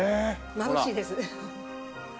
まぶしいです。